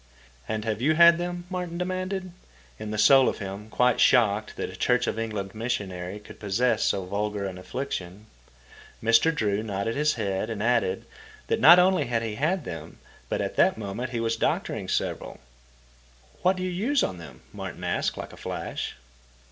"And have you had them?" Martin demanded, in the soul of him quite shocked that a Church of England missionary could possess so vulgar an affliction. Mr. Drew nodded his head and added that not only had he had them, but at that moment he was doctoring several. "What do you use on them?" Martin asked like a flash.